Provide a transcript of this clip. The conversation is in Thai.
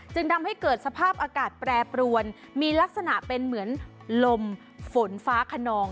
จึงทำให้เกิดสภาพอากาศแปรปรวนมีลักษณะเป็นเหมือนลมฝนฟ้าขนอง